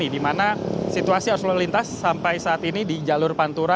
di mana situasi harus lalu lintas sampai saat ini di jalur pantura